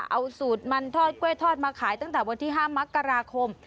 เอาสูตรมันทอดกล้วยทอดมาขายตั้งแต่วันที่๕มกราคม